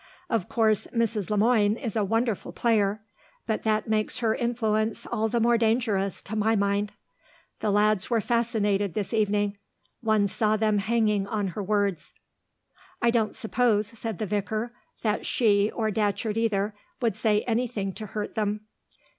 Of course, Mrs. Le Moine is a wonderful player, but that makes her influence all the more dangerous, to my mind. The lads were fascinated this evening; one saw them hanging on her words." "I don't suppose," said the vicar, "that she, or Datcherd either, would say anything to hurt them."